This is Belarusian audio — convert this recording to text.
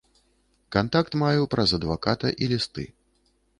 Кантакт маю праз адваката і лісты.